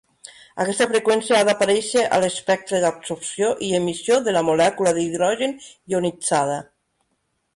Aquesta freqüència ha d'aparèixer a l'espectre d'absorció i emissió de la molècula d'hidrogen ionitzada.